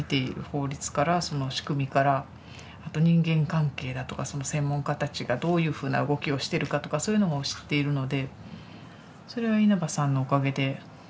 法律からその仕組みからあと人間関係だとかその専門家たちがどういうふうな動きをしてるかとかそういうのも知っているのでそれは稲葉さんのおかげで。